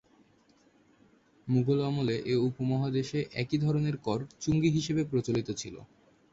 মুগল আমলে এ উপমহাদেশে একই ধরনের কর চুঙ্গি হিসেবে প্রচলিত ছিল।